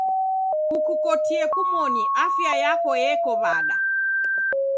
Kukukotie kumoni, afia yako eko w'ada?